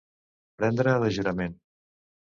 Prendre de jurament.